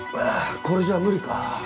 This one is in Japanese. これじゃ無理か。